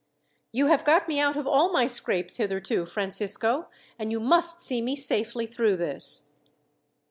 "You have got me out of all my scrapes hitherto, Francisco, and you must see me safely through this."